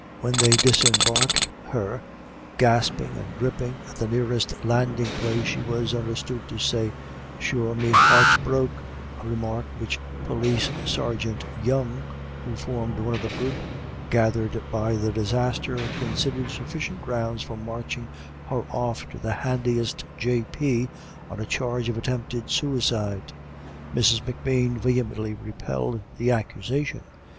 When they disembarked her, gasping and dripping, at the nearest landing place, she was understood to say, "Sure me heart's broke," a remark which Police sergeant Young, who formed one of the group gathered by the disaster, considered sufficient grounds for marching her off to the handiest J. P. on a charge of attempted suicide. Mrs. M'Bean vehemently repelled the accusation.